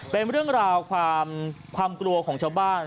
เป็นเรื่องราวความกลัวของชาวบ้าน